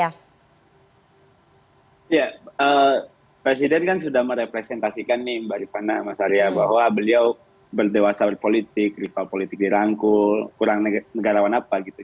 ya presiden kan sudah merepresentasikan nih mbak ripana mas arya bahwa beliau berdewasa berpolitik rival politik dirangkul kurang negarawan apa gitu